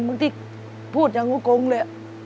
พี่พูดอย่างหัวโกงเลย